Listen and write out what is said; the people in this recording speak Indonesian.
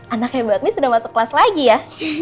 anak hebat miss udah masuk kelas lagi ya